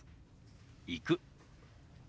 「行く」。